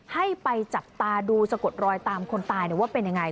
ให้ไปจับตาดูสะกดรอยตามคนตายว่าเป็นยังไง